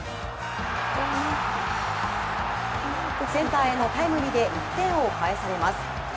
センターへのタイムリーで１点を返されます。